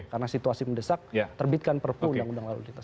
karena situasi mendesak terbitkan perpu undang undang lalu lintas